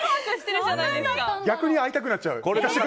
逆に会いたくなっちゃう。